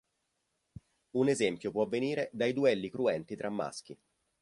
Un esempio può venire dai duelli cruenti tra maschi.